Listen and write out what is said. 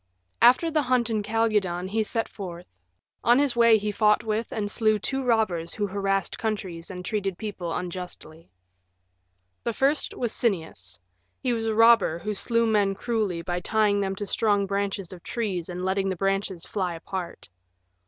After the hunt in Calydon he set forth. On his way he fought with and slew two robbers who harassed countries and treated people unjustly. The first was Sinnias. He was a robber who slew men cruelly by tying them to strong branches of trees and letting the branches fly apart.